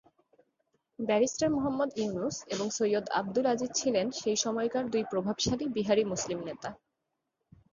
Barrister Mohammad Yunus এবং সৈয়দ আবদুল আজিজ ছিলেন সেই সময়কার দুই প্রভাবশালী বিহারী মুসলিম নেতা।